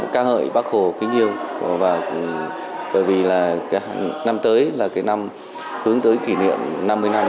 ca ngợi bác hồ kính yêu và bởi vì là năm tới là cái năm hướng tới kỷ niệm năm mươi năm